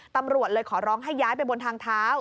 ตำรวจเลยขอร้องให้ย้ายไปบนทางเท้า